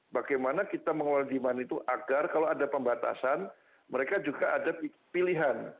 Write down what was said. bagaimana kita mengelola demand itu agar kalau ada pembatasan mereka juga ada pilihan